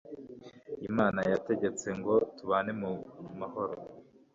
Imana yategetsengo tubanemu mahoro